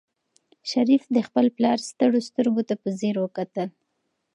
شریف د خپل پلار ستړو سترګو ته په ځیر وکتل.